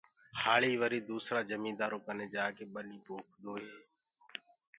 هآݪي وري دوسرآ جميندآرو ڪني جآڪي ٻني پوکدو هي پر